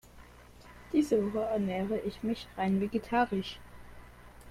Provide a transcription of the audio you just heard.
Diese Woche ernähre ich mich rein vegetarisch.